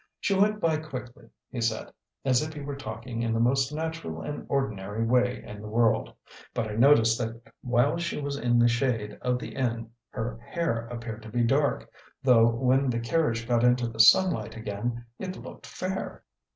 "She went by quickly," he said, as if he were talking in the most natural and ordinary way in the world, "but I noticed that while she was in the shade of the inn her hair appeared to be dark, though when the carriage got into the sunlight again it looked fair."